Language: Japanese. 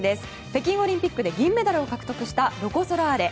北京オリンピックで銀メダルを獲得したロコ・ソラーレ。